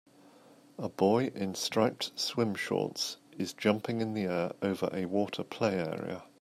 A boy in striped swim shorts is jumping in the air over a water play area.